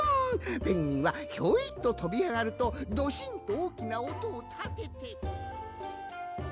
ペンギンはひょいととびあがるとドシンとおおきなおとをたてて。